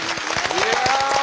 いや！